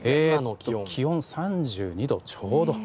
気温３２度ちょうど。